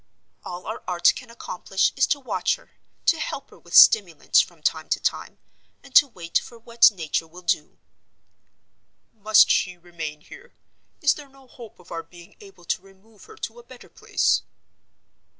All our art can accomplish is to watch her, to help her with stimulants from time to time, and to wait for what Nature will do." "Must she remain here? Is there no hope of our being able to remove her to a better place?"